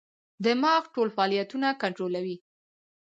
دماغ ټول فعالیتونه کنټرولوي.